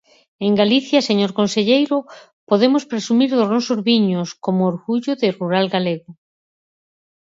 En Galicia, señor conselleiro, podemos presumir dos nosos viños como orgullo do rural galego.